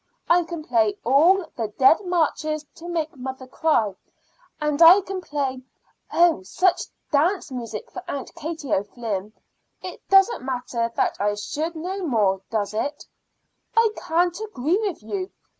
I can play all the dead marches to make mother cry, and I can play oh, such dance music for Aunt Katie O'Flynn! It doesn't matter that I should know more, does it?" "I can't agree with you.